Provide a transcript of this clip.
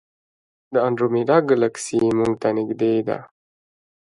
د انډرومیډا ګلکسي موږ ته نږدې ده.